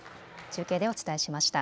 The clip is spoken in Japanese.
中継でお伝えしました。